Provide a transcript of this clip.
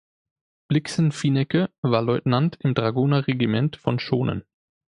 Blixen-Finecke war Leutnant im Dragoner-Regiment von Schonen.